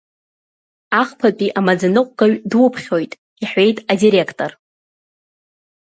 Ахԥатәи амаӡаныҟәгаҩ дуԥхьоит, — иҳәеит адиректор.